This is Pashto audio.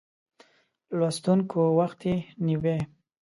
لوستونکو وخت یې نیوی.